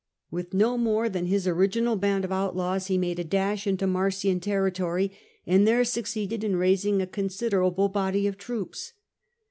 With no more than his CHAEACTER OF CRASSUS 167 original band of outlaws, he mad© a dash into the Marsian territory, and there succeeded in raising a con siderable body of troops.